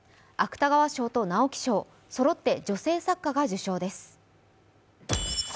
芥川賞と直木賞そろって女性作家が受賞です。